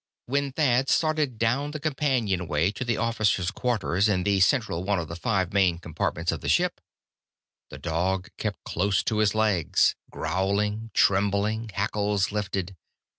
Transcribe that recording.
When Thad started down the companionway to the officers' quarters, in the central one of the five main compartments of the ship, the dog kept close to his legs, growling, trembling, hackles lifted.